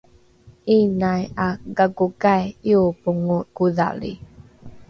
’iinai ’a gakokai ’iobongo kodhali?